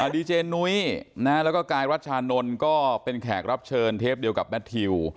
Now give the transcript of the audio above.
ดีเจนุ้ยแล้วก็กายรัชชานนท์ก็เป็นแขกรับเชิญเทปเดียวกับแมททิว